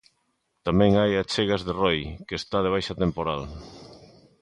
Tamén hai achegas de Roi, que está de baixa temporal.